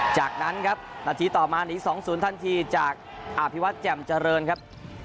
จากนั้นครับนาทีต่อมาหนี๒๐ทันทีจากอภิวัตรแจ่มเจริญครับ